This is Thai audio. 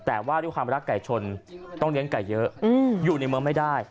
แต่ว่าด้วยความรักไก่ชนต้องเลี้ยงไก่เยอะอยู่ในเมืองไม่ได้